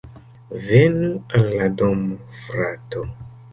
Venu al la domo, frato